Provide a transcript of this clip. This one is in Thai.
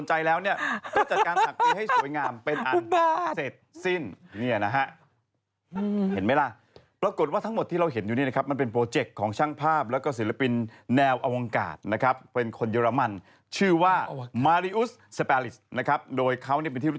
หรือหรือหรือหรือหรือหรือหรือหรือหรือหรือหรือหรือหรือหรือหรือ